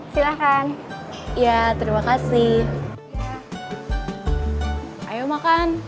sudah pasti ditolak